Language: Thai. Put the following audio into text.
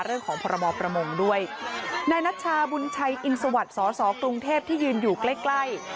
พรบประมงด้วยนายนัชชาบุญชัยอินสวัสดิ์สอสอกรุงเทพที่ยืนอยู่ใกล้ใกล้